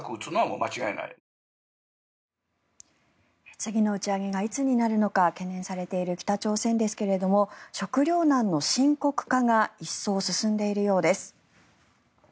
次の打ち上げがいつになるのか懸念されている北朝鮮ですが食糧難の深刻化が一層進んでいるようです。